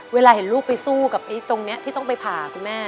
เวลาเห็นลูกไปสู้กับตรงนี้ที่ต้องไปผ่าคุณแม่